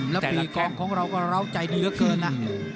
แล้วปีกองของเราก็เล้าใจดีเหลือเกินนะ